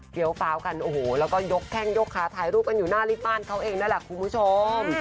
เดี๋ยวฟ้าวกันโอ้โหแล้วก็ยกแข้งยกขาถ่ายรูปกันอยู่หน้าลิฟต์บ้านเขาเองนั่นแหละคุณผู้ชม